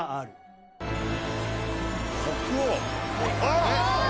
あっ！